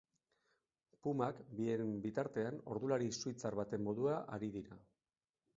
Pumak, bien bitartean, ordulari suitzar baten moduan ari dira.